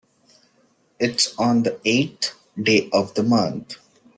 It's on the eighth day of the month.